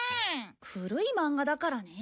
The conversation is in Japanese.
古い漫画だからね。